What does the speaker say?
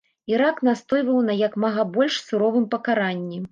Ірак настойваў на як мага больш суровым пакаранні.